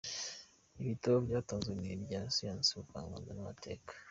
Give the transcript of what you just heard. Ibitabo byatanzwe ni ibya siyansi, ubuvanganzo, amateka.